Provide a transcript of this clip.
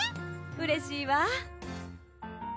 うれしいわ。